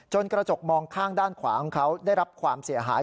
กระจกมองข้างด้านขวาของเขาได้รับความเสียหาย